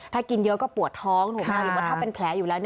ถ้ากินเยอะก็ปวดท้องถูกไหมหรือว่าถ้าเป็นแผลอยู่แล้ว